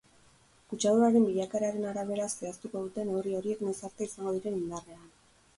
Kutsaduren bilakaeraren arabera zehaztuko dute neurri horiek noiz arte izango diren indarrean.